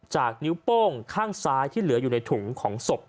นิ้วโป้งข้างซ้ายที่เหลืออยู่ในถุงของศพ